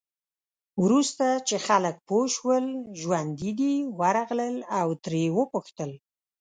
وروسته چې خلک پوه شول ژوندي دی، ورغلل او ترې یې وپوښتل.